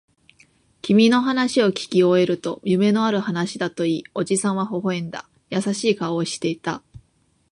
君の話をきき終えると、夢のある話だと言い、おじさんは微笑んだ。優しい顔をしていた。